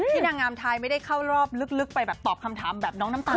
นางงามไทยไม่ได้เข้ารอบลึกไปแบบตอบคำถามแบบน้องน้ำตาล